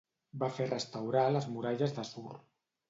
Va fer restaurar les muralles d'Assur.